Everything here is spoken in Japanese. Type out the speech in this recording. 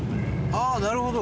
ああなるほど。